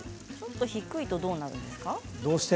低いとどうなるんですか。